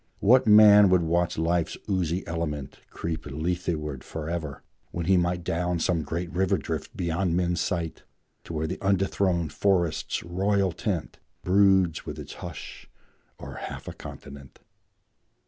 What man would watch life's oozy element Creep Letheward forever, when he might Down some great river drift beyond men's sight, To where the undethronèd forest's royal tent Broods with its hush o'er half a continent?